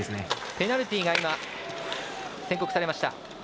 ペナルティーが宣告されました。